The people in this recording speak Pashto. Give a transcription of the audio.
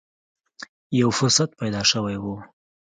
یو فرصت پیدا شوې و